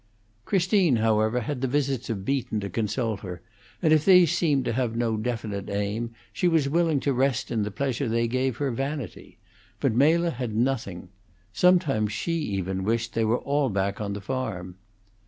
Christine, however, had the visits of Beaton to console her, and, if these seemed to have no definite aim, she was willing to rest in the pleasure they gave her vanity; but Mela had nothing. Sometimes she even wished they were all back on the farm.